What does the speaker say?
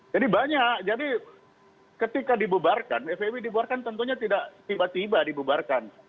jadi banyak jadi ketika dibubarkan fpi dibubarkan tentunya tidak tiba tiba dibubarkan